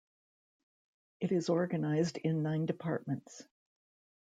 It is organised in nine departments.